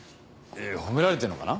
褒められてるのかな？